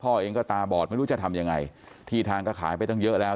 พ่อเองก็ตาบอดไม่รู้จะทำยังไงที่ทางก็ขายไปตั้งเยอะแล้ว